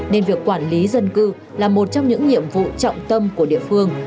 nên việc quản lý dân cư là một trong những nhiệm vụ trọng tâm của địa phương